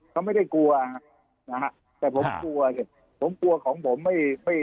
เขาไม่ได้กลัวผมกลัวผมกลัวว่า